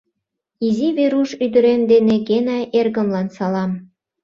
Изи Веруш ӱдырем ден Гена эргымлан салам!